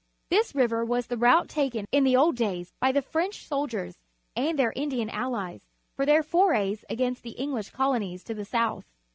This river was the route taken in the old days by the French soldiers and their Indian allies for their forays against the English colonies to the south.